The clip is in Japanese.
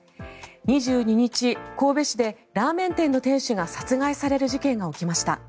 ２２日、神戸市でラーメン店の店主が殺害される事件が起きました。